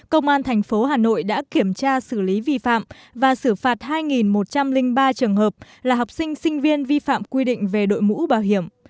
công an thành phố hà nội đã kiểm tra xử lý vi phạm và xử phạt hai một trăm linh ba trường hợp là học sinh sinh viên vi phạm quy định về đội mũ bảo hiểm